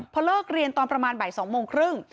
พอเลิกเรียนตอนประมาณบ่าย๒โมงครึ่ง